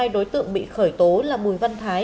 hai đối tượng bị khởi tố là mùi văn thái